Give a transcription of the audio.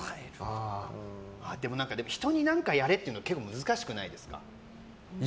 人に何かやれっていうの結構、難しくないですか。